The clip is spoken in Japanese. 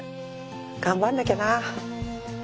頑張んなきゃな。